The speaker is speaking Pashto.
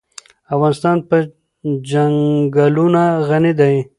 افغانستان په چنګلونه غني دی.